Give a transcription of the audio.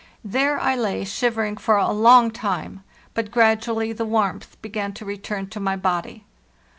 There I lay shivering for a long time, but gradually the warmth began to return to my body.